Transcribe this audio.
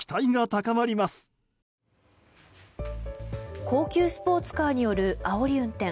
高級スポーツカーによるあおり運転。